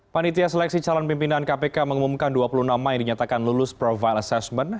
panitia seleksi calon pimpinan kpk mengumumkan dua puluh enam mei dinyatakan lulus profile assessment